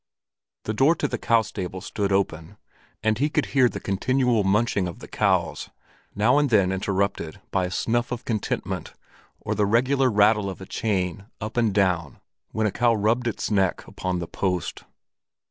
The door to the cow stable stood open, and he could hear the continual munching of the cows, now and then interrupted by a snuff of contentment or the regular rattle of a chain up and down when a cow rubbed its neck upon the post.